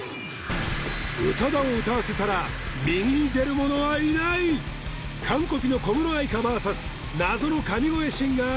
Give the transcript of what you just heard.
宇多田を歌わせたら右に出る者はいない完コピの小室あいかＶＳ謎の神声シンガー